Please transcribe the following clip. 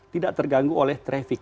tidak terganggu oleh trafik